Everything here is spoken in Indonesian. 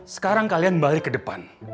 sekarang kalian balik ke depan